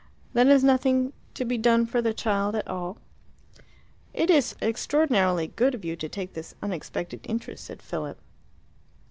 "Then is nothing to be done for the child at all?" "It is extraordinarily good of you to take this unexpected interest," said Philip.